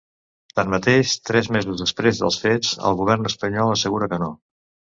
Tanmateix, tres mesos després dels fets, el govern espanyol assegura que no.